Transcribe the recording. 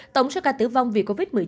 tổng số ca tử vong vì covid một mươi chín